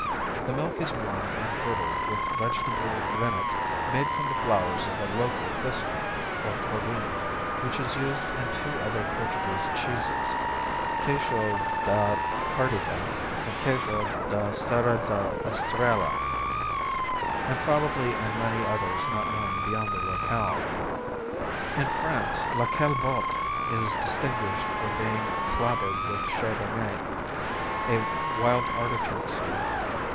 The milk is warmed and curdled with vegetable rennet made from the flowers of a local thistle, or cardoon, which is used in two other Portuguese cheeses Queijo da Cardiga and Queijo da Serra da Estrella and probably in many others not known beyond their locale. In France la Caillebotte is distinguished for being clabbered with chardonnette, wild artichoke seed.